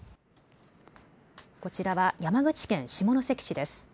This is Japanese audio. こちらは山口県下関市です。